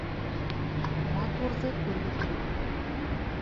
Матурҙы күрге килә